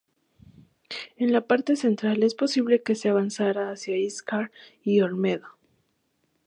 En la parte central es posible que se avanzara hasta Íscar y Olmedo.